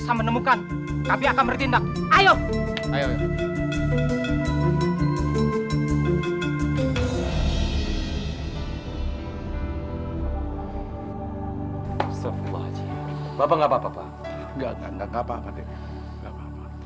sepuluh aja bapak apa apa enggak enggak apa apa